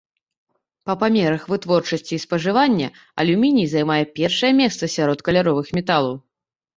Па памерах вытворчасці і спажывання алюміній займае першае месца сярод каляровых металаў.